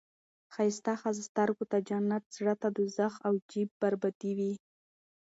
ښایسته ښځه سترګو ته جنت، زړه ته دوزخ او جیب بربادي وي.